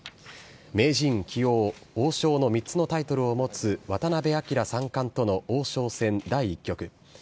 名人、棋王、王将の３つのタイトルを持つ渡辺明三冠との王将戦第１局。